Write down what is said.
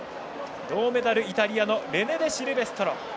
銅メダル、イタリアのレネ・デシルベストロ。